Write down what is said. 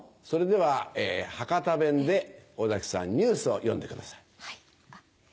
それでは博多弁で尾崎さんニュースを読んでください。